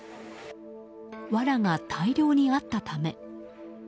わらが大量にあったため。